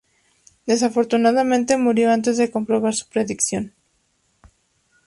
Desafortunadamente, murió antes de comprobar su predicción.